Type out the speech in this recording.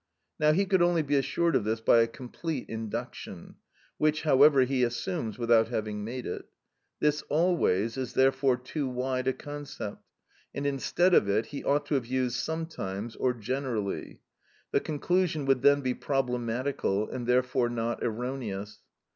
Now he could only be assured of this by a complete induction, which, however, he assumes without having made it. This "always" is therefore too wide a concept, and instead of it he ought to have used "sometimes" or "generally." The conclusion would then be problematical, and therefore not erroneous.